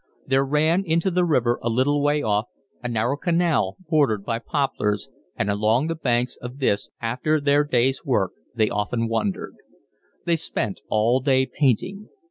There ran into the river, a little way off, a narrow canal bordered by poplars, and along the banks of this after their day's work they often wandered. They spent all day painting.